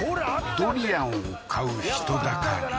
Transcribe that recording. ドリアンを買う人だかり